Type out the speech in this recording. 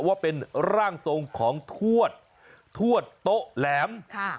ว่าเป็นร่างทรงของทวดทวดโต๊ะแหลม